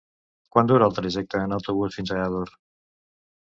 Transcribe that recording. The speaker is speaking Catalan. Quant dura el trajecte en autobús fins a Ador?